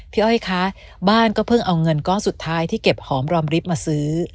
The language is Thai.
อ้อยคะบ้านก็เพิ่งเอาเงินก้อนสุดท้ายที่เก็บหอมรอมริบมาซื้อ